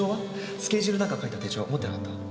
スケジュールなんか書いた手帳持ってなかった？